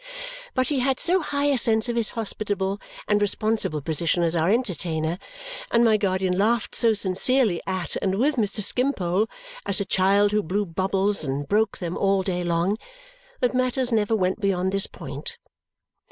But he had so high a sense of his hospitable and responsible position as our entertainer, and my guardian laughed so sincerely at and with Mr. Skimpole, as a child who blew bubbles and broke them all day long, that matters never went beyond this point.